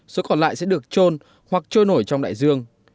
số còn lại sẽ được trôn hoặc trôi nổi trong đại dương